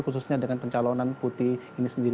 khususnya dengan pencalonan putih ini sendiri